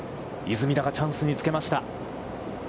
出水田がチャンスにつけました。